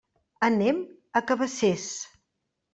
Anem a Cabacés.